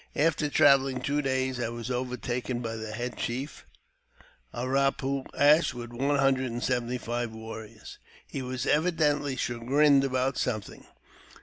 After travelling two days, I was overtaken by the head chief, A ra poo ash, with one hundred and seventy five warriors. He was evidently chagrined about something.